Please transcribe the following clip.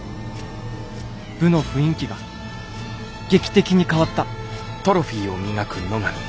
部の雰囲気がゲキテキに変わった」。